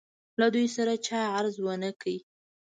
له دوی سره چا غرض ونه کړ.